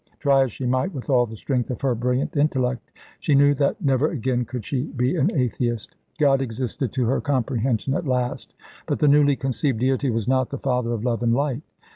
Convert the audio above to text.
Try as she might, with all the strength of her brilliant intellect, she knew that never again could she be an atheist. God existed to her comprehension at last. But the newly conceived Deity was not the Father of love and light.